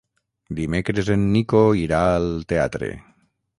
Dimecres en Nico irà al teatre.